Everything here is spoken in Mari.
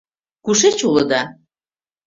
— Кушеч улыда?